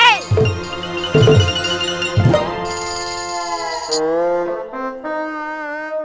berhanya ya nisa